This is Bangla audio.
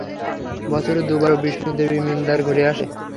বছরে দুবার ও বিষ্ণুদেবী মিন্দরে ঘুরে আসে।